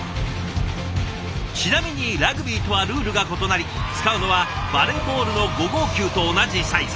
ちなみにラグビーとはルールが異なり使うのはバレーボールの５号球と同じサイズ。